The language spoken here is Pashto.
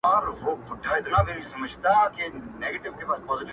خداى وركړي عجايب وه صورتونه!!